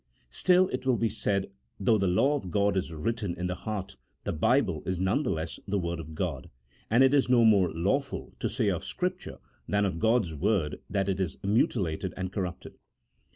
Still, it will be said, though the law of God is written in the heart, the Bible is none the less the Word of God, and it is no more lawful to say of Scripture than of God's Word that it is mutilated and corrupted.